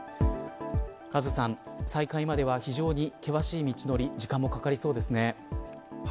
カズさん、再開までは非常に険しい道のり時間もかかりそうですね。